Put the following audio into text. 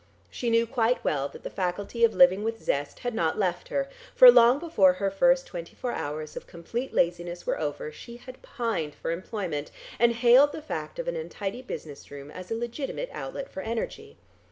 She knew quite well that the faculty of living with zest had not left her, for long before her first twenty four hours of complete laziness were over, she had pined for employment, and hailed the fact of an untidy business room as a legitimate outlet for energy.